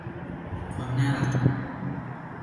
ความน่ารัก